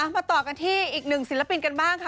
มาต่อกันที่อีกหนึ่งศิลปินกันบ้างค่ะ